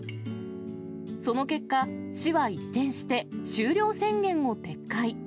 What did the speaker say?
その結果、市は一転して、終了宣言を撤回。